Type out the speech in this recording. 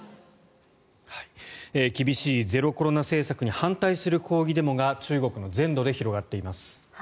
厳しいゼロコロナ政策に反対する抗議デモが中国の全土で広がっています。